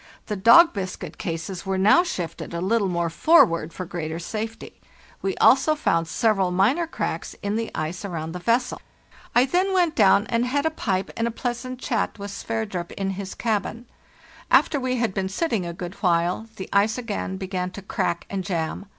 The dog biscuit cases were now shifted a little more forward for greater safety. We also found several minor cracks in the ice around the vessel. I then went down and had a pipe and a pleasant chat with Sver (oe) 4 FARTHEST NORTH drup in his cabin. After we had been sitting a good while the ice again began to crack and jam.